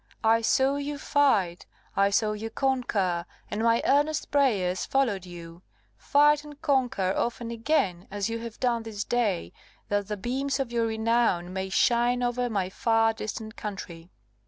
I saw you fight, I saw you conquer, and my earnest prayers followed you. Fight and conquer often again, as you have done this day, that the beams of your renown may shine over my far distant country."